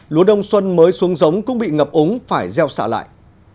lúa đông xuân mới xuống giống cũng bị ngập ống phải gieo xả lại